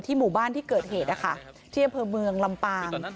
ที่หมู่บ้านที่เกิดเหตุที่เผอร์เมืองลำปาง